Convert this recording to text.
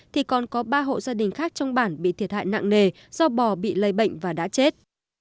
thì còn có ba hộ gia đình khác trong bản bị thiệt hại nặng nề do bò bị lây bệnh và đã chết